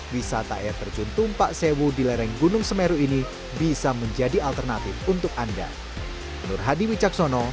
wisata air terjun tumpak sewu di lereng gunung semeru ini bisa menjadi alternatif untuk anda